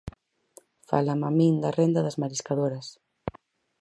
Fálanme a min da renda das mariscadoras.